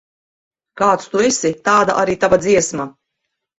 Kāds tu esi, tāda arī tava dziesma.